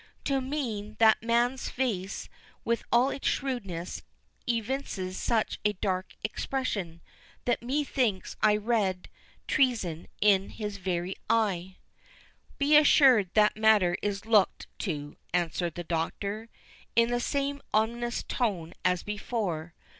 —"To me, that man's face, with all its shrewdness, evinces such a dark expression, that methinks I read treason in his very eye." "Be assured, that matter is looked to," answered the Doctor, in the same ominous tone as before.